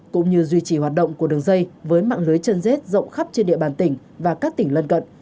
cũng như duy trì hoạt động của đường dây với mạng lưới chân dết rộng khắp trên địa bàn tỉnh và các tỉnh lân cận